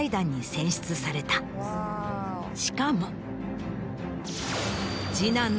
しかも。